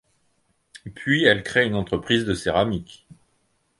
Puis elle crée une entreprise de céramique.